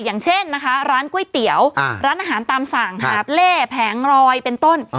อย่างเช่นนะคะร้านก๋วยเตี๋ยวร้านอาหารตามสั่งหาบเล่แผงรอยเป็นต้น